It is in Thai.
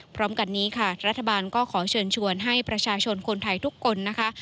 พร้อมกันนี้ค่ะรัฐบาลก็ขอเชิญชวนให้ประชาชนคนไทยทุกคนนะคะ